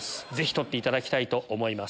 取っていただきたいと思います。